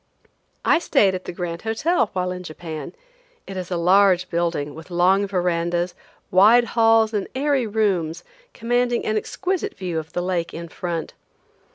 I stayed at the Grand Hotel while in Japan. It is a large building, with long verandas, wide halls and airy rooms, commanding an exquisite view of the lake in front.